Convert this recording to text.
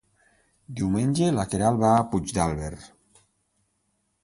Diumenge na Queralt va a Puigdàlber.